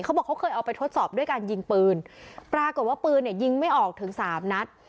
เขาบอกเขาเคยเอาไปทดสอบด้วยการยิงปืนปรากฏว่าปืนเนี่ยยิงไม่ออกถึงสามนัด